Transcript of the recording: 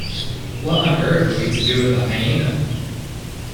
What on earth are we to do with the hyaena?